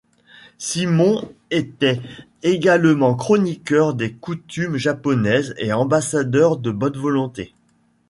Simmons était également chroniqueur des coutumes japonaises et ambassadeur de bonne volonté.